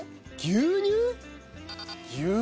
牛乳。